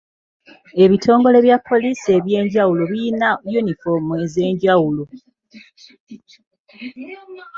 Ebitongole bya poliisi eby'enjawulo biyina yunifoomu ez'enjawulo.